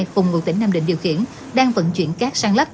cùng ngụ tỉnh nam định điều khiển đang vận chuyển cát sang lấp